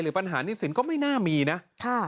หรือปัญหานิสินก็ไม่น่ามีนะ